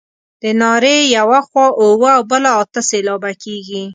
د نارې یوه خوا اووه او بله اته سېلابه کیږي.